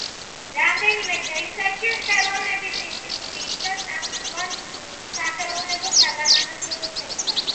რამდენიმე წელიწადში ხელოვნების ინსტიტუტი იქცა წამყვან სახელოვნებო საგანმანათლებლო ცენტრად.